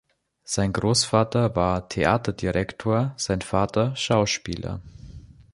Sein Großvater war Theaterdirektor, sein Vater Schauspieler.